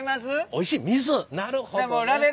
なるほどね。